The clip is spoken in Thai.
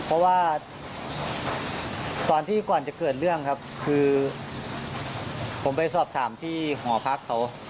เพราะว่าตอนที่ก่อนจะเกิดเรื่องครับคือผมไปสอบถามที่หอพักเขา